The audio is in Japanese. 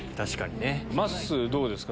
まっすーどうですか？